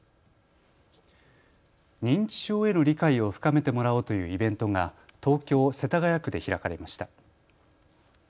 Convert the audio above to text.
認知症への理解を深めてもらおうというイベントが東京世田谷区で開かれました。